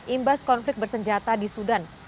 imbas konflik bersenjata di sudan